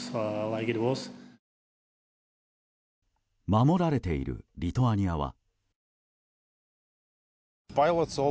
守られているリトアニアは。